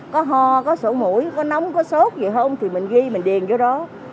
có ho có sổ mũi có nóng có sốt gì không thì mình ghi mình điền vô đó